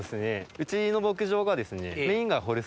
うちの牧場がですねメインが。